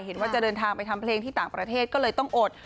เห็นว่าจะเดินทางไปทำเพลงที่ต่างประเทศก็เลยต้องอด